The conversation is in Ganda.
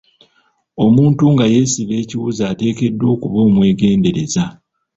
Omuntu nga yeesiba ekiwuzi ateekeddwa okuba omwegendereza.